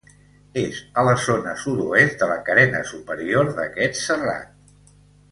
És a la zona sud-oest de la carena superior d'aquest serrat.